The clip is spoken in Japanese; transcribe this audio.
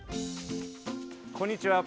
こんにちは。